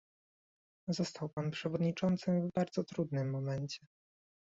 Został pan przewodniczącym w bardzo trudnym momencie